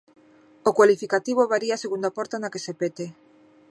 O cualificativo varía segundo a porta na que se pete.